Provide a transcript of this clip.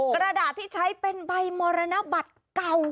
กระดาษที่ใช้เป็นใบมรณบัตรเก่า